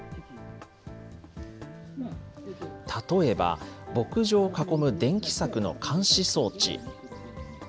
例えば、牧場を囲む電気柵の監視装置。